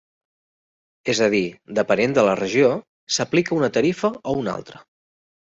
És a dir, depenent de la regió s'aplica una tarifa o una altra.